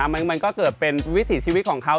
มันก็เกิดเป็นวิถีชีวิตของเขา